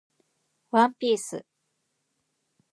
ワンピース